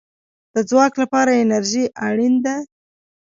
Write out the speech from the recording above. د ځواک لپاره انرژي اړین ده